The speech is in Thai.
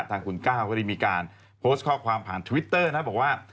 ทางคุณก้าวก็ได้มีการโพสต์ข้อความผ่านทวิตเตอร์นะบอกว่า